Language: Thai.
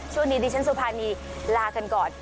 ช่วงนี้ดิฉันสุภานีลากันก่อน